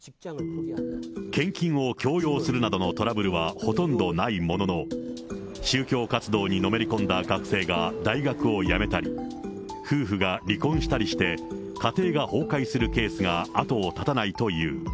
献金を強要するなどのトラブルはほとんどないものの、宗教活動にのめり込んだ学生が大学をやめたり、夫婦が離婚したりして、家庭が崩壊するケースが後を絶たないという。